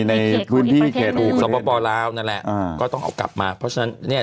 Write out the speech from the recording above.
ในสมบบละเอานั่นแหละก็ต้องเอากลับมาเพราะฉะนั้้แหละ